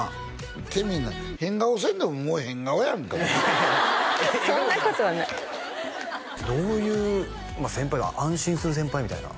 見てみいな変顔せんでももう変顔やんかいやいやいやそんなことはないどういう先輩安心する先輩みたいな？